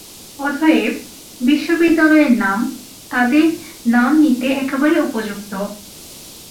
অতএব, বিশ্ববিদ্যালয়ের নাম, তাদের নাম নিতে একেবারে উপযুক্ত।